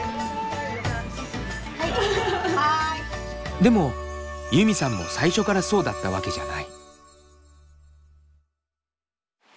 でもユミさんも最初からそうだったわけじゃない。